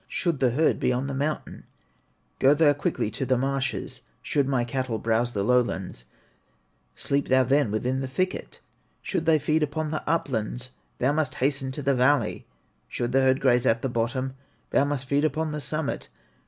Should the herd be on the mountain, Go thou quickly to the marshes; Should my cattle browse the lowlands, Sleep thou then within the thicket; Should they feed upon the uplands, Thou must hasten to the valley; Should the herd graze at the bottom, Thou must feed upon the summit.